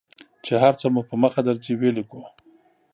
چې هر څه مو په مخه درځي ولیکو.